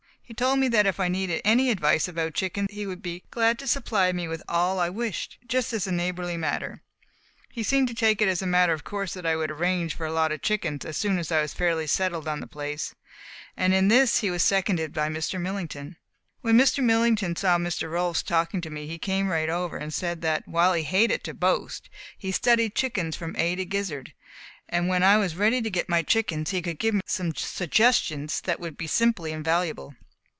He told me that if I needed any advice about chickens he would be glad to supply me with all I wished, just as a neighbourly matter. He seemed to take it as a matter of course that I would arrange for a lot of chickens as soon as I was fairly settled on the place, and in this he was seconded by Mr. Millington. When Mr. Millington saw Mr. Rolfs talking to me, he came right over and said that, while he hated to boast, he had studied chickens from A to Gizzard, and that when I was ready to get my chickens he could give me some suggestions that would be simply invaluable.